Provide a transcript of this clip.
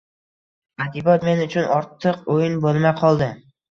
Adabiyot men uchun ortiq o‘yin bo‘lmay qoldi